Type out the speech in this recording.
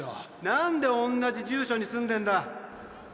何でおんなじ住所に住んでんだ？